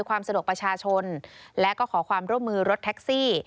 ความสะดวกประชาชนและก็ขอความร่วมมือรถแท็กซี่